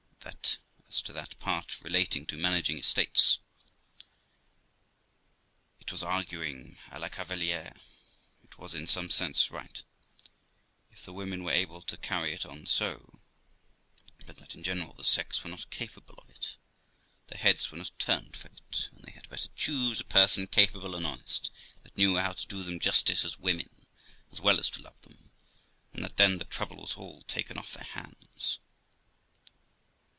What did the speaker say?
That, as to that part relating to managing estates, it was arguing a la cavalier; it was in some sense right, if the women were able to carry it on so, but that in general the sex were not capable of it; their heads were not turned for it, and they had better choose a person capable and honest, that knew how to do them justice as women, as well as to love them; and that then the trouble was all taken off of their hands.